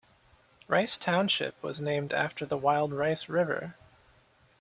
Rice Township was named after the Wild Rice River.